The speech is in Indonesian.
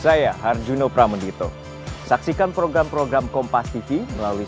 saya harjuno pramendito saksikan program program kompas tv melalui